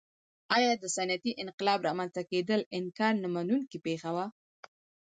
ایا د صنعتي انقلاب رامنځته کېدل انکار نه منونکې پېښه وه.